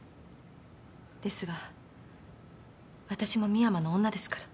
ですが私も深山の女ですから。